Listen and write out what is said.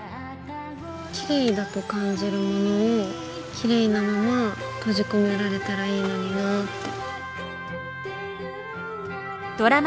きれいだと感じるものをきれいなまま閉じ込められたらいいのになぁって。